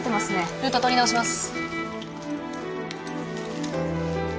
ルートとり直します。